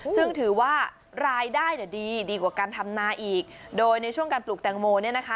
ซึ่งถือว่ารายได้เนี่ยดีดีกว่าการทำนาอีกโดยในช่วงการปลูกแตงโมเนี่ยนะคะ